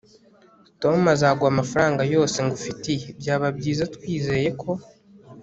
tom azaguha amafaranga yose ngufitiye. byaba byiza twizeye ko